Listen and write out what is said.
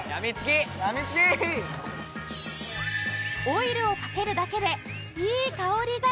オイルをかけるだけでいい香りが！